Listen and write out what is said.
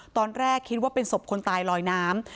ตอนแรกคิดว่าเป็นศพคนตายลอยน้ำ